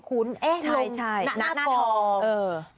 ข้างหน้าของ